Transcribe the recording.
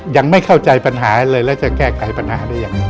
ยังไม่เข้าใจปัญหาเลยแล้วจะแก้ไขปัญหาได้ยังไง